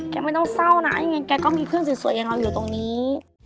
ไม่ต้องเศร้านะยังไงแกก็มีเพื่อนสวยอย่างเราอยู่ตรงนี้